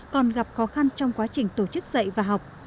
còn gặp khó khăn trong quá trình tổ chức dạy và học